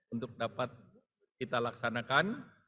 untuk dapat kita laksanakan